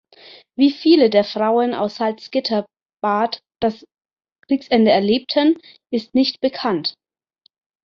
Wie viele der Frauen aus Salzgitter-Bad das Kriegsende erlebten, ist nicht bekannt.